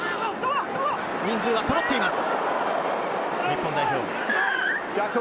人数はそろっています。